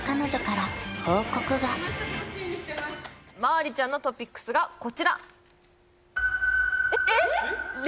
そんなまありちゃんのトピックスがこちら！